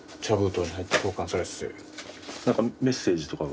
何かメッセージとかは？